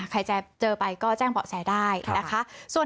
ใครจะเจอไปก็แจ้งเบาะแสได้นะคะ